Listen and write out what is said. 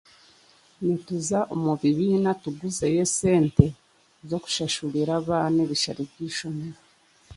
Nituuza omu bibiina tuguzeyo esente zokushashurira abaana ebishaare by'eishomero.